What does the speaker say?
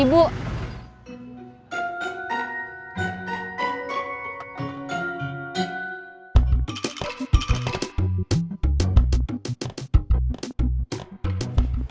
ibu aku mau beli